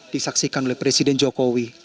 disaksikan oleh presiden jokowi